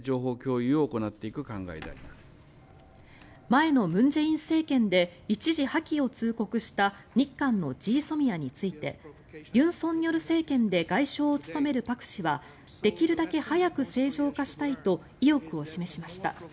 前の文在寅政権で一時破棄を通告した日韓のＧＳＯＭＩＡについて尹錫悦政権で外相を務めるパク氏はできるだけ早く正常化したいと意欲を示しました。